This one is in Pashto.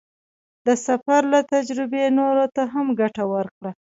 د سفر له تجربې نورو ته هم ګټه ورکړه.